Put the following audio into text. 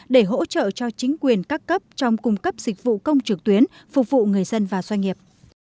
để hỗ trợ cho chính quyền các cấp trong cung cấp dịch vụ công trực tuyến phục vụ người dân và doanh nghiệp